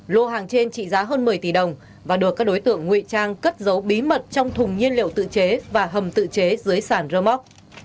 lô hàng trên trị giá hơn một mươi tỷ đồng và được các đối tượng nguy trang cất giấu bí mật trong thùng nhiên liệu tự chế và hầm tự chế dưới sản rơ móc